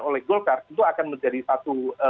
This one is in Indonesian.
oleh golkar itu akan menjadi satu